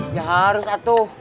ya harus atu